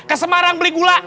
ke semarang beli gula